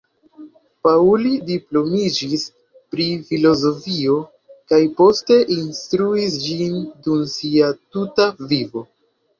Pauli diplomiĝis pri filozofio kaj poste instruis ĝin dum sia tuta vivo.